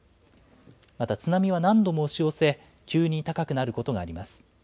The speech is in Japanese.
また津波は何度も押し寄せ、急に高くなることがあります。